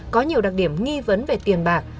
có nhiều đặc điểm nghi vấn về tiền bạc